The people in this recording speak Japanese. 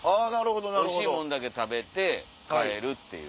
おいしいもんだけ食べて帰るっていう。